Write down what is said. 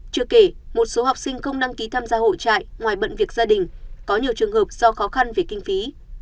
chưa kể một số học sinh không đăng ký tham gia hội trại ngoài bận việc gia đình có nhiều trường hợp do khó khăn về kinh phí